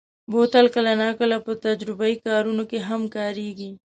بوتل کله ناکله په تجربهيي کارونو کې هم کارېږي.